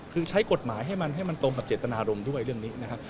คือใช้กฎหมายให้มันให้มันตรงกับเจตนารมณ์ด้วยเรื่องนี้นะครับ